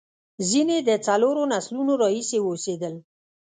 ځینې د څلورو نسلونو راهیسې اوسېدل.